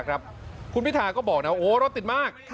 คุณพิทาริมเจริญรัฐครับก็บอกนะว่าเราติดมาก